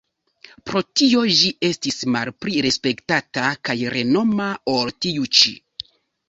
Pro tio ĝi estis malpli respektata kaj renoma ol tiu ĉi.